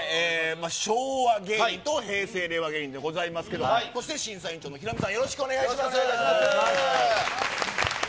昭和芸人と平成・令和芸人でございますけれども、そして審査員長のヒロミさん、よろしくお願いします。